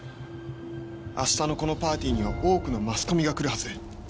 明日のこのパーティーには多くのマスコミが来るはず。